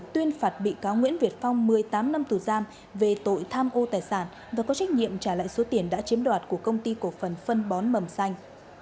tuyên phạt bị cáo nguyễn việt phong một mươi tám năm tù giam về tội tham ô tài sản và có trách nhiệm trả lại số tiền đã chiếm đoạt của công ty cổ phần phân bón mầm xanh